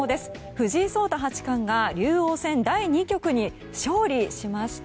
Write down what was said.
藤井聡太八冠が竜王戦第２局に勝利しました。